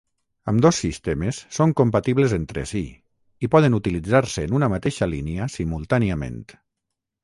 Ambdós sistemes són compatibles entre si i poden utilitzar-se en una mateixa línia simultàniament.